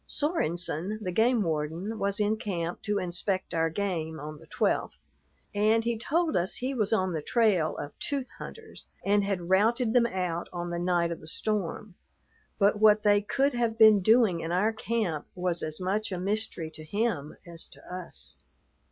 Sorenson, the game warden, was in camp to inspect our game on the 12th, and he told us he was on the trail of tooth hunters and had routed them out on the night of the storm; but what they could have been doing in our camp was as much a mystery to him as to us.